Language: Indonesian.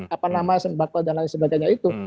apa nama sembako dan lain sebagainya itu